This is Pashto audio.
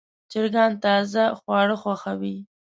چرګان تازه خواړه خوښوي.